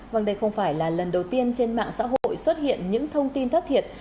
vâng đây không phải là lần đầu tiên trên mạng xã hội xuất hiện những thông tin thất thiệt